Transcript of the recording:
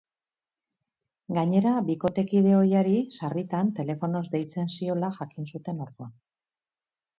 Gainera, bikotekide ohiari, sarritan, telefonoz deitzen ziola jakin zuten orduan.